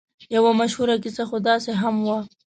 یوه مشهوره کیسه خو داسې هم وه.